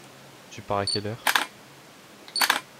Tu pars à quelle heure?